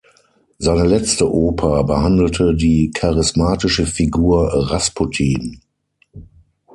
Seine letzte Oper behandelte die charismatische Figur Rasputin.